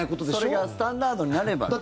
それがスタンダードになればっていう。